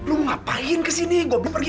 lu ngapain kesini gue pergi